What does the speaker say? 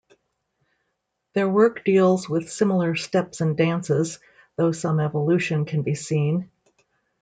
Their work deals with similar steps and dances, though some evolution can be seen.